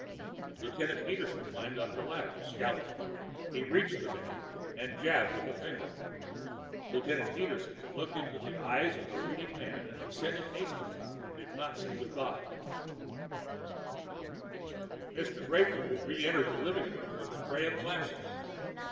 Lieutenant Peterson climbed up the ladder, scowling; he reached the man and jabbed with a finger. Lieutenant Peterson looked into the eyes of the reading man and descended hastily and did not say goodbye.... Mr. Greypoole reentered the living room with a tray of glasses.